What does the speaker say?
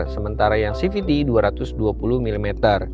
sementara yang cvt dua ratus dua puluh mm